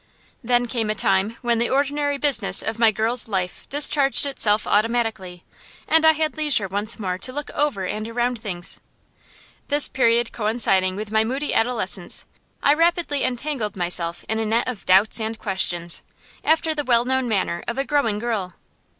Then came a time when the ordinary business of my girl's life discharged itself automatically, and I had leisure once more to look over and around things. This period coinciding with my moody adolescence, I rapidly entangled myself in a net of doubts and questions, after the well known manner of a growing girl.